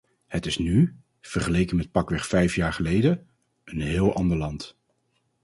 Het is nu, vergeleken met pakweg vijf jaar geleden, een heel ander land.